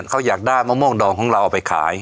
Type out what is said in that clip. เขาอยากได้มะม่วงดองของเราเอาไปขาย